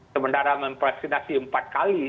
sementara memvaksinasi empat kali